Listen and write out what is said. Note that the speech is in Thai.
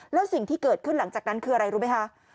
แล้วสิ่งที่เกิดขึ้นหลังจากนั้นคืออะไรรู้ไหมคะ